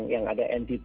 yang ada anti ghost